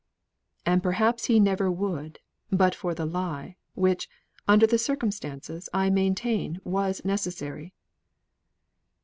"And perhaps he never would, but for the lie, which, under the circumstances, I maintain, was necessary."